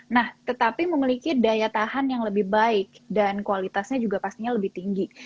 nah tetapi memiliki daya tahan yang lebih baik dan kualitasnya juga pastinya lebih tinggi